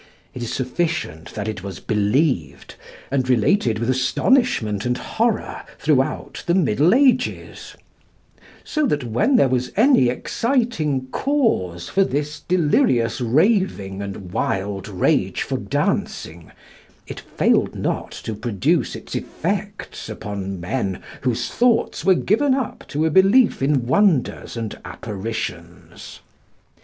It is sufficient that it was believed, and related with astonishment and horror, throughout the Middle Ages; so that when there was any exciting cause for this delirious raving and wild rage for dancing, it failed not to produce its effects upon men whose thoughts were given up to a belief in wonders and apparitions.